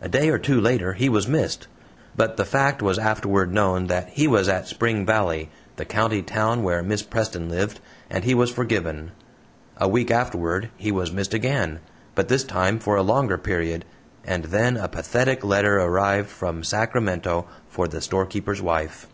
A day or two later he was missed but the fact was afterward known that he was at Spring Valley, the county town where Miss Preston lived, and he was forgiven. A week afterward he was missed again, but this time for a longer period, and then a pathetic letter arrived from Sacramento for the storekeeper's wife.